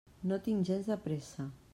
No tinc gens de pressa.